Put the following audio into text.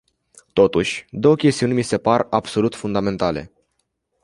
Totuși, două chestiuni mi se par absolut fundamentale.